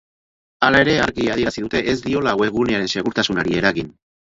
Hala ere, argi adierazi dute ez diola webgunearen segurtasunari eragin.